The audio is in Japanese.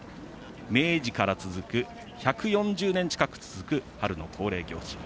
明治から続く、１４０年近く続く春の恒例行事。